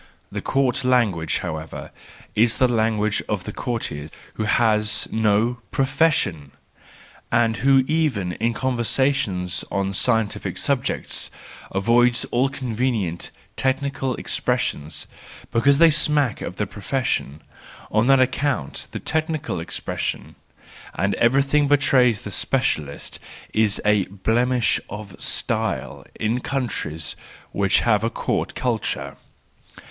The court language, however, is the language of the courtier who has no profession , and who even in conversations on scientific subjects avoids all con¬ venient, technical expressions, because they smack of the profession; on that account the technical expression, and everything that betrays the special THE JOYFUL WISDOM, II 139 ist, is a blemish of style in countries which have a court culture.